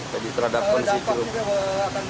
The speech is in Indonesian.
jadi terhadap kondisi ciliwung